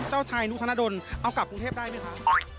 เจ้าชายนุธนดลเอากลับกรุงเทพได้ไหมคะ